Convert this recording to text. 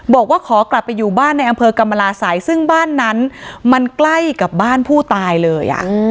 บอกว่าขอกลับไปอยู่บ้านในอำเภอกรรมราศัยซึ่งบ้านนั้นมันใกล้กับบ้านผู้ตายเลย